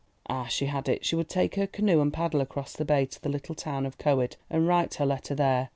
Ah, she had it; she would take her canoe and paddle across the bay to the little town of Coed and write her letter there.